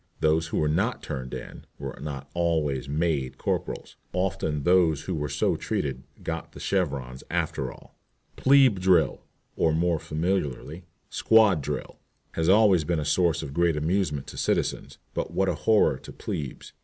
Those who were not "turned in" were not always "made" corporals. Often those who were so treated "got the chevrons" after all. "Plebe drill," or, more familiarly, "squad drill," has always been a source of great amusement to citizens, but what a horror to plebes.